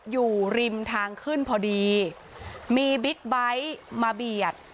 อยู่ริมทางขึ้นพอดีมีบิ๊กไบท์มาเบียด